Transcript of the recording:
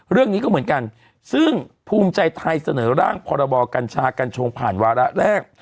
เรื่องนี้ก็เหมือนกันซึ่งภูมิใจไทยเสนอร่างพรบกัญชากัญชงผ่านวาระแรก